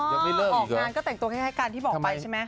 ออกงานก็แต่งตัวคล้ายกันที่บอกไปใช่ไหม